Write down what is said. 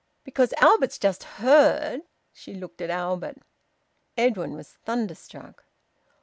"Because Albert's just heard " She looked at Albert. Edwin was thunderstruck.